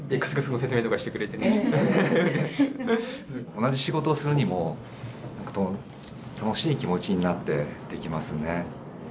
同じ仕事をするにも楽しい気持ちになってできますね。